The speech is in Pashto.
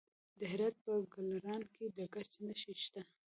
د هرات په ګلران کې د ګچ نښې شته.